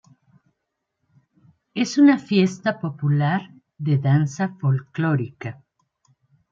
Es una fiesta popular de danza folklórica.